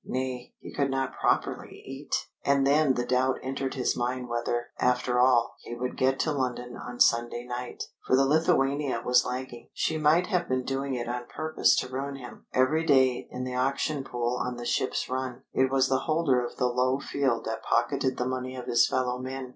Nay, he could not properly eat! And then the doubt entered his mind whether, after all, he would get to London on Sunday night. For the Lithuania was lagging. She might have been doing it on purpose to ruin him. Every day, in the auction pool on the ship's run, it was the holder of the low field that pocketed the money of his fellow men.